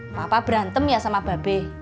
papa berantem ya sama babe